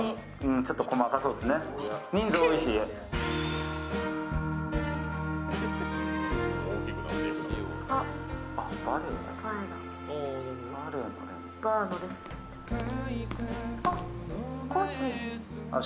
ちょっと細かそうですね、人数多いし。